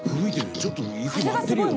ちょっと雪舞ってるよね。